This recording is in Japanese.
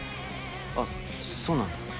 あっそうなんだ。